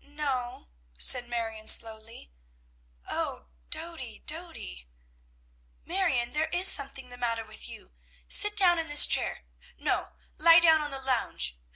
"No o," said Marion slowly. "O Dody! Dody!" "Marion! there is something the matter with you. Sit down in this chair. No, lie down on the lounge.